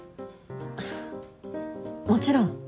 もちろん。